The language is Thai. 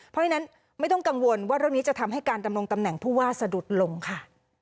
เพราะฉะนั้นไม่ต้องกังวลว่าเรื่องนี้จะทำให้การดำรงตำแหน่งผู้ว่าสะดุดลงค่ะ